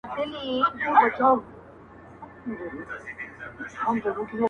د زړه روح د زړه ارزښته قدم اخله,